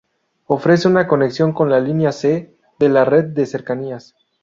Ofrece una conexión con la línea C de la red de cercanías.